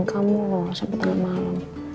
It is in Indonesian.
aku nungguin kamu loh sampai tengah malam